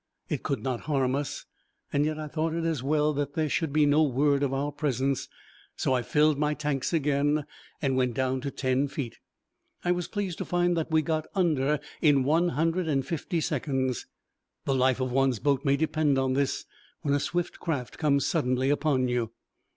It could not harm us, and yet I thought it as well that there should be no word of our presence, so I filled my tanks again and went down to ten feet. I was pleased to find that we got under in one hundred and fifty seconds. The life of one's boat may depend on this when a swift craft comes suddenly upon you.